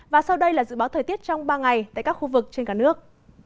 và sau đây là dự báo thời tiết trong ba ngày tại các khu vực trên cả nước